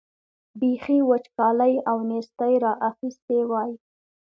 بېخي وچکالۍ او نېستۍ را اخیستي وای.